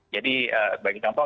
jadi bagi contoh